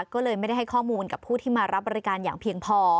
ก็เลยไม่ได้ให้ข้อมูลกับผู้ที่มารับบริการอย่างเพียงพอ